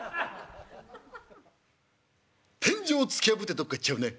天井突き破ってどっか行っちゃうね。